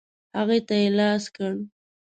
هغې ته یې لاس کړ.